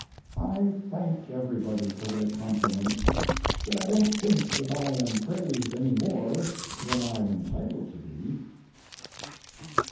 I thank everybody for their compliments, but I don't think that I am praised any more than I am entitled to be.